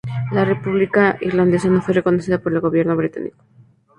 La República Irlandesa no fue reconocida por el Gobierno Británico.